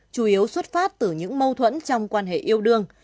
chủ yếu xuất phát từ những mâu thuẫn trong quan hệ yêu đương